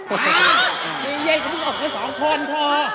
เย็นต้องออกเมื่อ๒คนพอ